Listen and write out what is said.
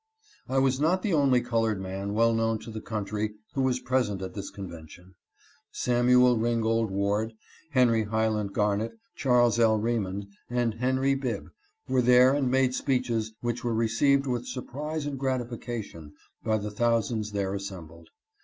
I was not the only colored man well known to the coun try who was present at this convention. Samuel Ringold '. Ward, Henry Highland Garnet, Charles L. Remond, and Henry Bibb were there and made speeches which were received with surprise and gratification by the thou sands there assembled.